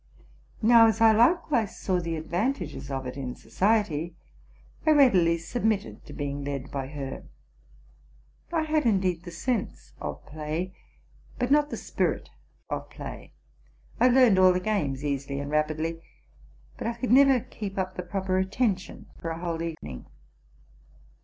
Now, as I likewise saw the advantages of it in society, I readily submitted to being led by her. I had indeed the sense of play, but not the spirit of play: I learned all games easily and rapidly, but I could never keep up the proper attention for a whole evening.